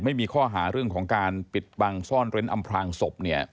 ไม่มีข้อหาเรื่องของการปิดบังซ่อนเร้นอำพลางศพเนี่ย